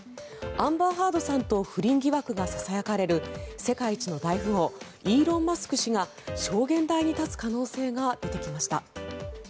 アンバー・ハードさんと不倫疑惑がささやかれる世界一の大富豪イーロン・マスク氏が証言台に立つ可能性が出てきました。